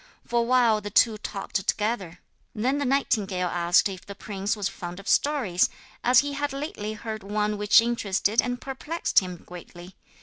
For a while the two talked together: then the nightingale asked if the prince was fond of stories, as he had lately heard one which interested and perplexed him greatly.